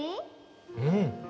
うん